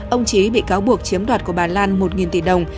ông trí bị cáo buộc chiếm đoạt của bà lan một tỷ đồng